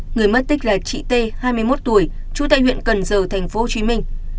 người mất tích là chị t hai mươi một tuổi trú tại huyện cần giờ thành phố hồ chí minh